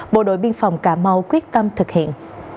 bộ đội biên phòng cà mau quyết tâm thực hiện